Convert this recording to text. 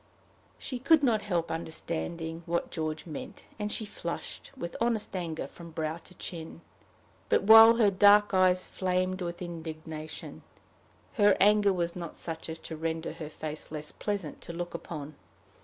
She could not help understanding what George meant, and she flushed, with honest anger, from brow to chin. But, while her dark blue eyes flamed with indignation, her anger was not such as to render her face less pleasant to look upon.